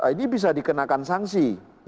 ini bisa dikenakan sanksi